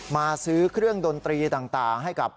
มาซื้อเครื่องดนตรีต่างให้กับ